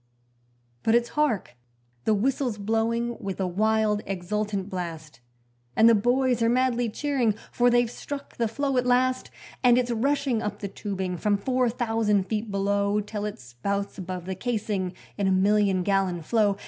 But it's hark! the whistle's blowing with a wild, exultant blast, And the boys are madly cheering, for they've struck the flow at last, And it's rushing up the tubing from four thousand feet below Till it spouts above the casing in a million gallon flow.